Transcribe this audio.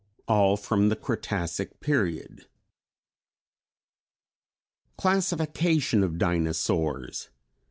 All from the Cretacic period. _Classification of Dinosaurs.